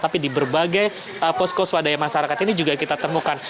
tapi di berbagai posko swadaya masyarakat ini juga kita temukan